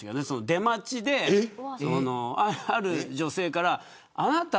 出待ちで、ある女性からあなた